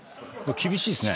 厳しいですけどね。